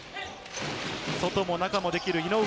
外も中もできる井上。